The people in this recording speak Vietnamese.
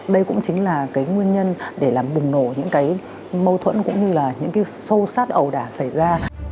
đây cũng chính là cái nguyên nhân để làm bùng nổ những cái mâu thuẫn cũng như là những cái sâu sát ẩu đả xảy ra